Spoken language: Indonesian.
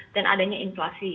dan adanya inflasi